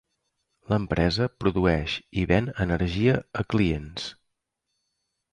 L'empresa produeix i ven energia a clients.